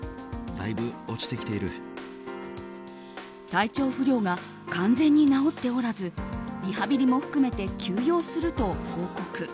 体調不良が完全に治っておらずリハビリも含めて休養すると報告。